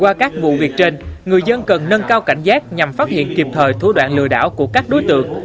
qua các vụ việc trên người dân cần nâng cao cảnh giác nhằm phát hiện kịp thời thu đoạn lừa đảo của các đối tượng